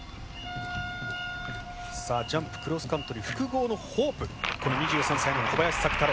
ジャンプクロスカントリー複合のホープ２３歳の小林朔太郎